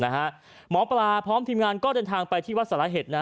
หมอปลาพร้อมทีมงานก็เดินทางไปที่วัดสารเห็ดนะ